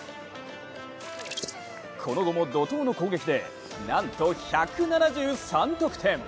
この期も怒とうの攻撃でなんと１７３得点。